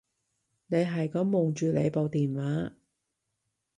你係噉望住你部電話